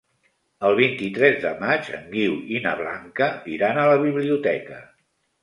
El vint-i-tres de maig en Guiu i na Blanca iran a la biblioteca.